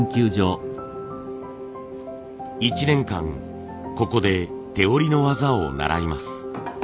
一年間ここで手織りの技を習います。